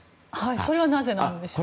それはなぜなんでしょうか。